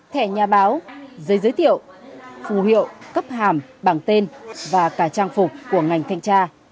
thẻ nhà báo giấy giới thiệu phù hiệu cấp hàm bảng tên và cả trang phục của ngành thanh tra